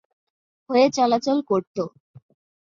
হয়ে চলাচল করতো।